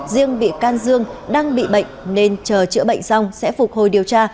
riêng bị can dương đang bị bệnh nên chờ chữa bệnh xong sẽ phục hồi điều tra